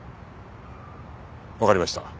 わかりました。